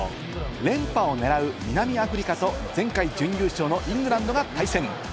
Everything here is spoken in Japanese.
連覇を狙う南アフリカと、前回準優勝のイングランドが対戦。